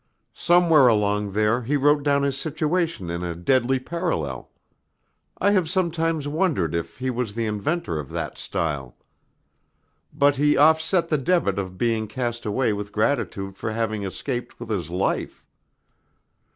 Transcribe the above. Somewhere along there he wrote down his situation in a deadly parallel; I have sometimes wondered if he was the inventor of that style. But he offset the debit of being cast away with gratitude for having escaped with his life.